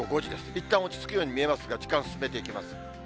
いったん落ち着くように見えますが、時間進めていきます。